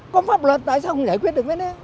còn pháp luật tại sao không giải quyết được hết